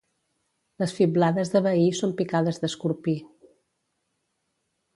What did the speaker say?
Les fiblades de veí són picades d'escorpí.